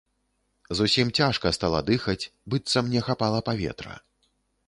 Зусім цяжка стала дыхаць, быццам не хапала паветра.